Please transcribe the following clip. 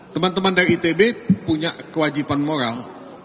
teman teman dari itb punya kewajiban moral untuk tamatkan kesehatan mereka